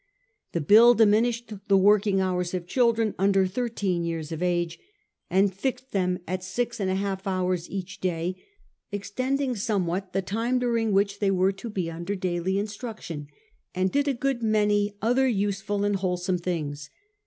The bill diminished the working hours of children under thirteen years of age, and fixed them at six and a half hours each day ; extended somewhat the time during which they were to be under daily instruction, and did a good many other useful and wholesome things.